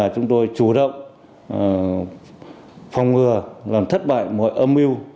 chúng tôi chủ động phòng ngừa làm thất bại mọi âm mưu